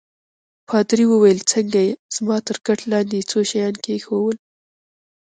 پادري وویل: څنګه يې؟ زما تر کټ لاندي يې یو څه شیان کښېښوول.